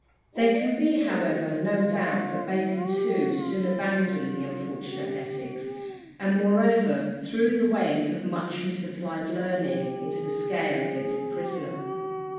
There can be, however, no doubt that Bacon too soon abandoned the unfortunate Essex, and, moreover, threw the weight of much misapplied learning into the scale against the prisoner.